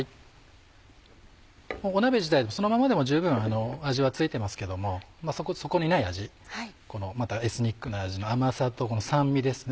鍋自体そのままでも十分味は付いてますけどもそこにない味またエスニックな味の甘さと酸味ですね。